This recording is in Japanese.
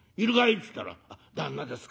っつったら『旦那ですか。